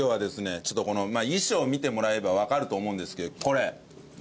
ちょっと衣装を見てもらえばわかると思うんですけどこれ。